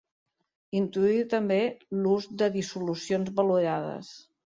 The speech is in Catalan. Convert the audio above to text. Introduí també l'ús de dissolucions valorades.